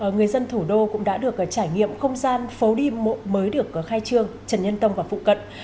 người dân thủ đô cũng đã được trải nghiệm không gian phố đi bộ mới được khai trương trần nhân tông và phụ cận